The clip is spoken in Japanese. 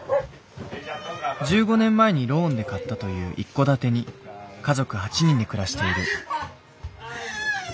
１５年前にローンで買ったという一戸建てに家族８人で暮らしている。